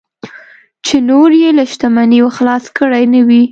چې نور یې له شتمنیو خلاص کړي نه وي.